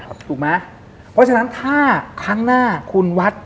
เพราะฉะนั้นถ้าครั้งหน้าคุณวัด